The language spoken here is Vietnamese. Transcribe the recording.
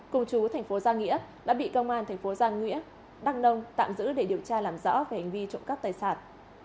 cùng chú thành phố giang nghĩa đã bị công an thành phố giang nghĩa đăng nông tạm giữ để điều tra làm rõ về hành vi trộm cắp tài sản